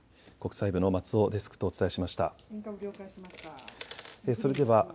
松尾デスクとお伝えしました。